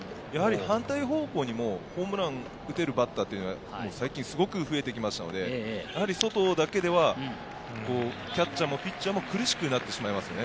反対方向にもホームランを打てるバッターが最近増えてきたので、外だけではキャッチャーもピッチャーも苦しくなってしまいますね。